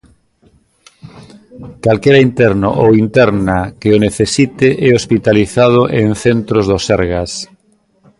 Calquera interno ou interna que o necesite é hospitalizado en centros do Sergas.